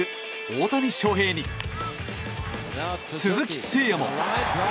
大谷翔平に、鈴木誠也も。